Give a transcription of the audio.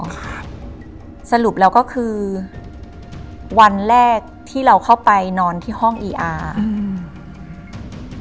ค่ะสรุปแล้วก็คือวันแรกที่เราเข้าไปนอนที่ห้องอีอาร์อืม